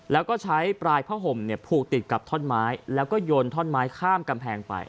แล้วก็ใช้ปลายผ้าห่มเนี่ยผูกติดกับท่อนไม้แล้วก็โยนท่อนไม้ข้ามกำแพงไป